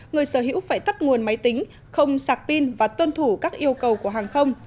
người sở hữu phải tắt nguồn máy tính không sạc pin và tuân thủ các yêu cầu của hàng không